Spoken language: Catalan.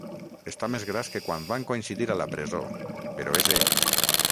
Està més gras que quan van coincidir a la presó, però és ell.